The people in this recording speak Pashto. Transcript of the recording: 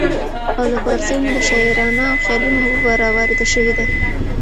او له پارسۍ نه دا شاعرانه او خيالي محبوبه راوارده شوې ده